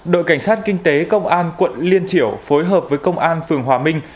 đội cảnh sát kinh tế công an quận liên triểu phối hợp với công an phường hòa minh